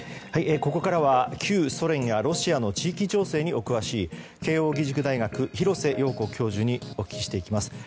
ここからは旧ソ連やロシアの地域情勢に詳しい慶應義塾大学の廣瀬陽子教授にお聞きしていきます。